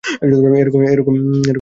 এ রকম খাইতে পায় নাই কখনও!